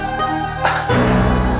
untuk memperbaiki keadaan yang baik